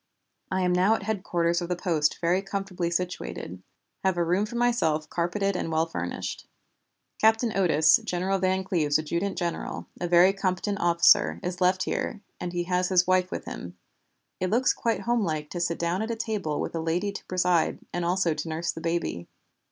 "I am now at headquarters of the post very comfortably situated; have a room for myself carpeted and well furnished. Captain Otis, General Van Cleve's adjutant general, a very competent officer, is left here, and he has his wife with him. It looks quite homelike to sit down at a table with a lady to preside, and also to nurse the baby.